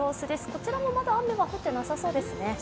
こちらもまだ雨は降ってなさそうですね。